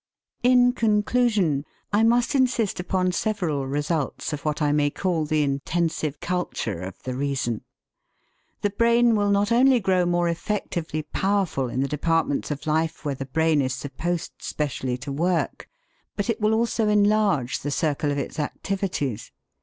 In conclusion, I must insist upon several results of what I may call the 'intensive culture' of the reason. The brain will not only grow more effectively powerful in the departments of life where the brain is supposed specially to work, but it will also enlarge the circle of its activities.